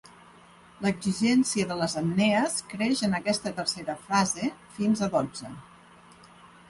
L'exigència de les apnees creix en aquesta tercera frase, fins a dotze.